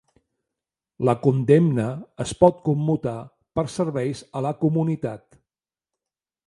La condemna es pot commutar per serveis a la comunitat